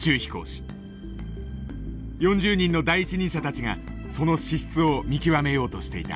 ４０人の第一人者たちがその資質を見極めようとしていた。